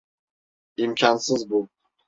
İmkansız bu.